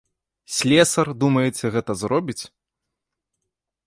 Слесар, думаеце, гэта зробіць?